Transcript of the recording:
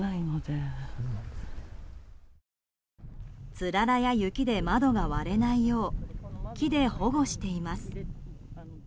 つららや雪で窓が割れないよう木で保護しています。